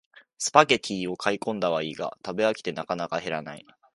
スパゲティを買いこんだはいいが食べ飽きてなかなか減らない